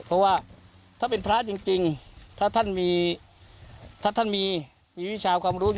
เพราะว่าถ้าเป็นพระจริงถ้าท่านมีถ้าท่านมีมีวิชาความรู้